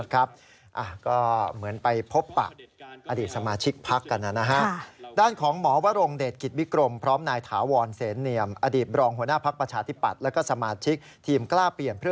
ก็เหมือนไปพบปักอดีตสมัชิกภักดิ์กัน